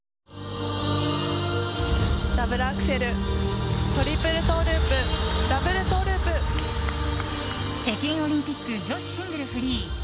ダブルアクセルトリプルトウループ北京オリンピック女子シングルフリー。